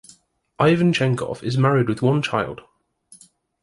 Ivanchenkov is married with one child.